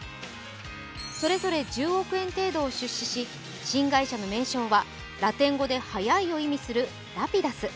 それぞれ１０億円程度を出資し新会社の名称はラテン語で「速い」を意味するＲａｐｉｄｕｓ。